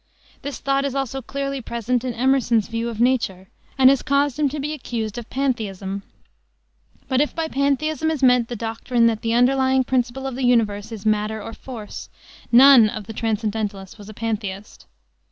This thought is also clearly present in Emerson's view of nature, and has caused him to be accused of pantheism. But if by pantheism is meant the doctrine that the underlying principle of the universe is matter or force, none of the transcendentalists was a pantheist.